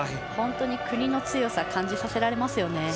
本当に国の強さ感じさせられますよね。